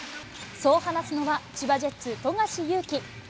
そう話すのは、千葉ジェッツ、富樫勇樹。